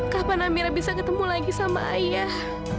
kapan amira bisa ketemu lagi sama ayah